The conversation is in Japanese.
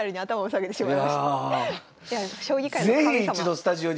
将棋界の神様。